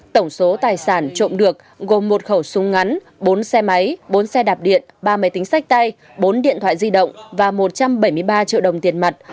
tổng số tài sản trộm được gồm một khẩu súng ngắn bốn xe máy bốn xe đạp điện ba máy tính sách tay bốn điện thoại di động và một trăm bảy mươi ba triệu đồng tiền mặt